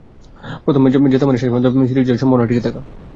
প্রথম ম্যাচ জেতা মানে শেষ ম্যাচ পর্যন্ত সিরিজ জয়ের সম্ভাবনা টিকে থাকা।